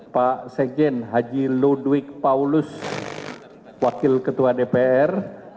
pak sekjen haji ludwig paulus wakil ketua dpr